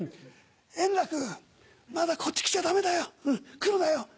円楽まだこっち来ちゃダメだよ来るなよ。